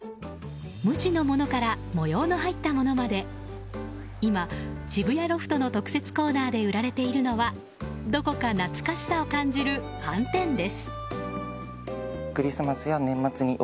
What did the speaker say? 無地のものから模様の入ったものまで今、渋谷ロフトの特設コーナーで売られているのはどこか懐かしさを感じるはんてんです。